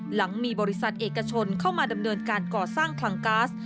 หลังมีบริษัทเอกชนเข้ามาดำเนินการก่อสร้างคลังก๊าซ